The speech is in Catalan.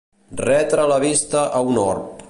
Retre la vista a un orb.